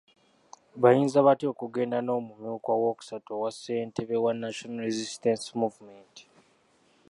Bayinza batya okugenda n’omumyuka owookusatu owa ssentebe wa National Resistance Movement?